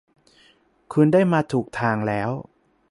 คุณมาได้ถูกทางแล้ว